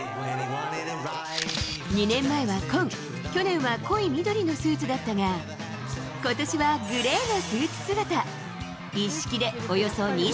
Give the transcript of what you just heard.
２年前は紺、去年は濃い緑のスーツだったが、ことしはグレーのスーツ姿。